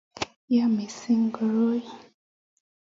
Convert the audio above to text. ya mising koroi